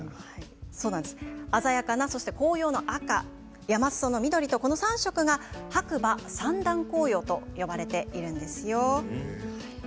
鮮やかな紅葉の赤山すその緑と、この３色が白馬三段紅葉と呼ばれているんです。